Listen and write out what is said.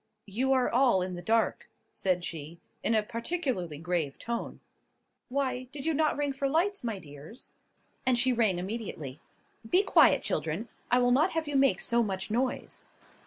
"You are all in the dark," said she, in a particularly grave tone. "Why, did you not ring for lights, my dears?" and she rang immediately. "Be quiet, children! I will not have you make so much noise."